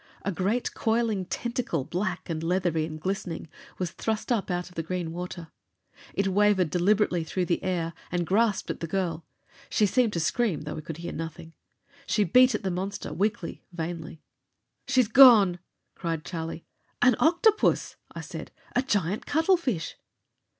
A great coiling tentacle, black and leathery and glistening, was thrust up out of the green water. It wavered deliberately through the air and grasped at the girl. She seemed to scream, though we could hear nothing. She beat at the monster, weakly, vainly. "She's gone!" cried Charlie. "An octopus!" I said. "A giant cuttlefish!"